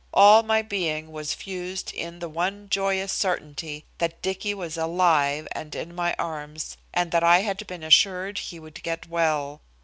All my being was fused in the one joyous certainty that Dicky was alive and in my arms, and that I had been assured he would get well.